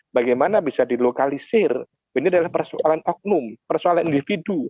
bagaimana bisa dilokalisir ini adalah persoalan oknum persoalan individu